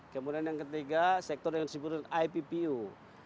kemudian ketiga sektor yang disebut ippu industrial product dan product use